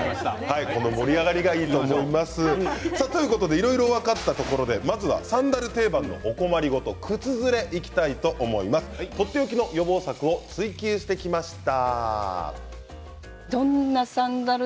いろいろ分かったところでまずはサンダル定番のお困り事、靴ずれとっておきの予防策を「ツイＱ」してきました。